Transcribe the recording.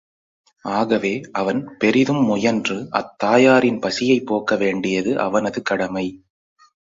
ஆகவே அவன் பெரிதும் முயன்று அத் தாயாரின் பசியைப் போக்கவேண்டியது அவனது கடமை.